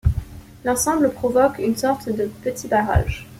L'ensemble provoque une sorte de petit barrage.